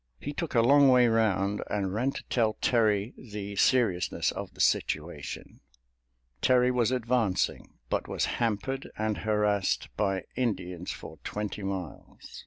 He took a long way round and ran to tell Terry the seriousness of the situation. Terry was advancing, but was hampered and harassed by Indians for twenty miles.